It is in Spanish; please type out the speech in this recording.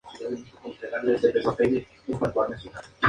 Marsh pidió al grupo que Mike tocara la guitarra rítmica.